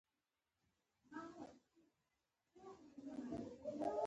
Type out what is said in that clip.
ښاروندان په خیالي کټګوریو ویشل شوي.